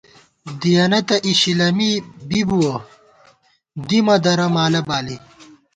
دِیَنہ تہ اِشِلَمی بی بُوَہ، دِمہ درہ مالہ بالی